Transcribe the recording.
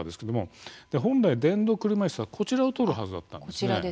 本来、電動車いすはこちらを通るはずだったんです。